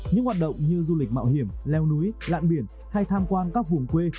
những hoạt động như du lịch mạo hiểm leo núi lạn biển hay tham quan các vùng quê